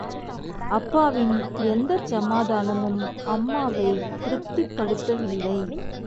அப்பாவின் எந்தச் சமாதானமும் அம்மாவைத் திருப்திப் படுத்தவில்லை.